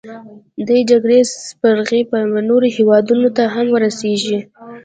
دې جګړې سپرغۍ به نورو هیوادونو ته هم ورسیږي.